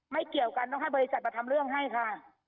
เกี่ยวกันต้องให้บริษัทมาทำเรื่องให้ค่ะ